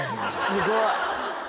すごい。